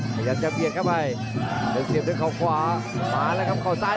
ประยังจะเบียดเข้าไป